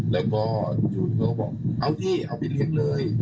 แล้วก็อยู่เขาก็บอกเอาสิเอาไปเรียกเลย